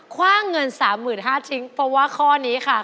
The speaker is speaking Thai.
ว่างเงิน๓๕๐๐ทิ้งเพราะว่าข้อนี้ค่ะ